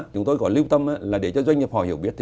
chúng tôi có lưu tâm là để cho doanh nghiệp họ hiểu biết